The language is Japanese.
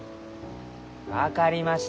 分かりました！